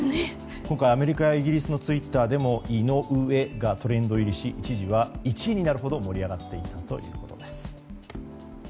今回、アメリカやイギリスのツイッターでも「ＩＮＯＵＥ」がトレンド入りし一時は１位になるほど盛り上がっていたそうです。